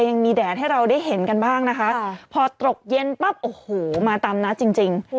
ยังมีแดดให้เราได้เห็นกันบ้างนะคะพอตกเย็นปั๊บโอ้โหมาตามนัดจริงจริง